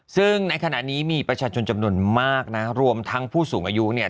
ซึ่งในขณะนี้มีประชาชนจำนวนมากนะรวมทั้งผู้สูงอายุเนี่ย